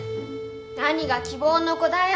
何が希望の子だよ！